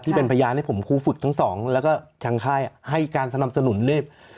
พยานให้ผมครูฝึกทั้งสองแล้วก็ทางค่ายให้การสนับสนุนด้วย